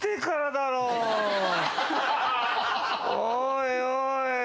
おいおい。